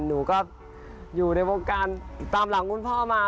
หนูก็อยู่ในวงการตามหลังคุณพ่อมา